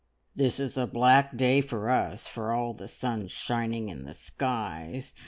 "This is the black day for us, for all the sun's shining in the skies.